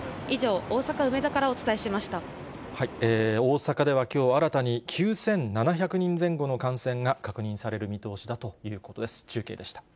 以上、大阪ではきょう、新たに９７００人前後の感染が確認される見通しだということです。